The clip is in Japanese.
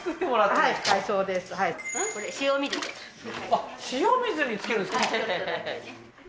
なんで塩水につけるんですか？